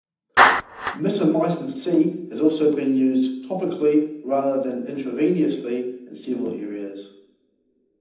Mitomycin C has also been used topically rather than intravenously in several areas.